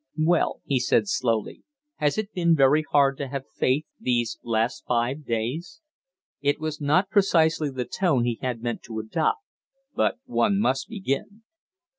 "Well," he said, slowly, "has it been very hard to have faith these last five days?" It was not precisely the tone he had meant to adopt; but one must begin.